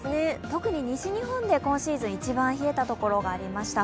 特に西日本で今シーズン、一番冷えた所がありました。